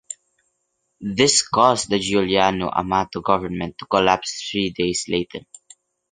This caused the Giuliano Amato government to collapse three days later.